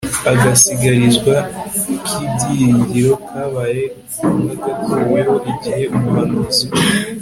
agasigarizwa k'ibyiringiro kabaye nk'agakuweho igihe umuhanuzi